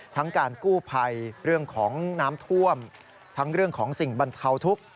การกู้ภัยเรื่องของน้ำท่วมทั้งเรื่องของสิ่งบรรเทาทุกข์